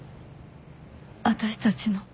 私たちの。